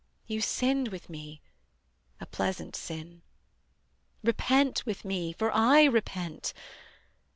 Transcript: You sinned with me a pleasant sin: Repent with me, for I repent.